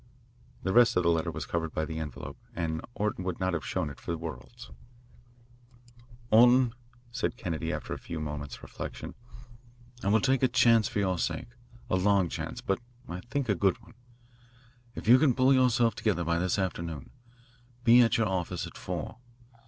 The rest of the letter was covered by the envelope, and Orton would not have shown it for worlds. "Orton," said Kennedy, after a few moments' reflection, "I will take a chance for your sake a long chance, but I think a good one. If you can pull yourself together by this afternoon, be over at your office at four.